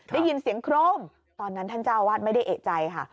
ได้ยินเสียงโครมตอนนั้นท่านเจ้าอาวาสไม่ได้เอกใจค่ะ